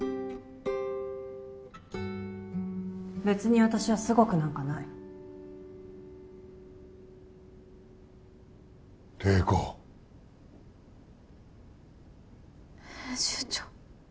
別に私はすごくなんかない麗子編集長